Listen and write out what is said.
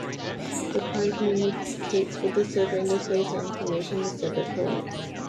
The "client" communicates with the server and displays the information the server collects.